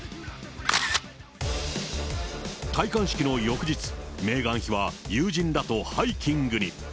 戴冠式の翌日、メーガン妃は、友人らとハイキングに。